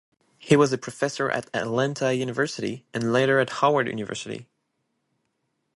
He was a professor at Atlanta University and later at Howard University.